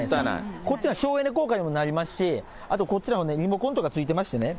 こちら省エネ効果にもなりますし、こっちにもリモコンとかついてましてね。